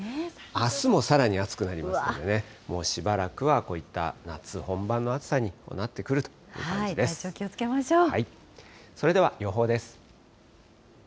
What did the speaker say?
あすもさらに暑くなりますのでね、もうしばらくはこういった夏本番の暑さになってくるという感じで体調気をつけましょう。